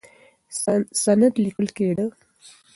سند لیکل کېده.